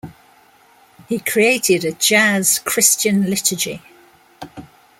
He created a jazz Christian liturgy.